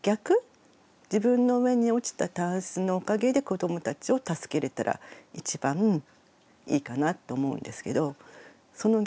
自分の上に落ちたタンスのおかげで子どもたちを助けれたら一番いいかなと思うんですけどその逆って。